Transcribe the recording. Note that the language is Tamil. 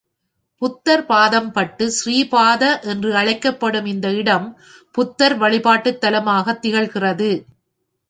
புத்தர் பாதம்பட்டு ஸ்ரீபாத, என்று அழைக்கப்படும் இந்த இடம் புத்தர் வழிபாட்டுத் தலமாகத் திகழ்கிறது.